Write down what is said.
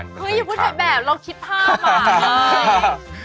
เฮ้ยอย่าพูดถ่ายแบบเราคิดภาพมาเลย